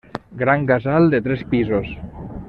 Gran casal de tres pisos.